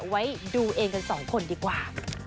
ไว้ดูเองกันสองคนดีกว่า